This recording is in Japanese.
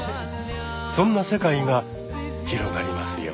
そんな世界が広がりますように。